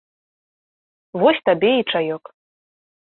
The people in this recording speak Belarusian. Вось табе і чаёк.